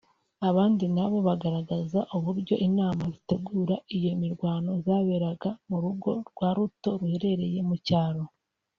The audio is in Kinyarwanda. abandi nabo bagaragaza uburyo inama zitegura iyo mirwano zaberaga mu rugo rwa Ruto ruherereye mu cyaro